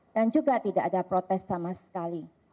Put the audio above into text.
dan juga tidak ada protes sama sekali